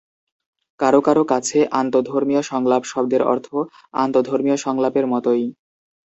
কারো কারো কাছে, আন্তঃধর্মীয় সংলাপ শব্দের অর্থ আন্তঃধর্মীয় সংলাপের মতই।